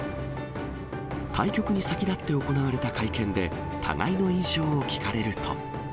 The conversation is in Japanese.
対局に先立って行われた会見で、互いの印象を聞かれると。